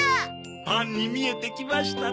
パンに見えてきましたね。